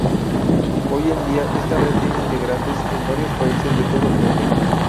Hoy en día esta red tiene integrantes en varios países de todo el mundo.